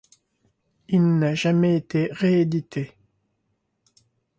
Il n’a jamais été réédité.